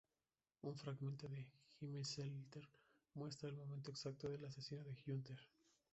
Un fragmento de "Gimme Shelter" muestra el momento exacto del asesinato de Hunter.